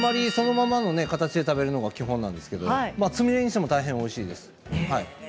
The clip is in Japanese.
そのままの形で食べるのが基本なんですけれどつみれにしても非常においしいです。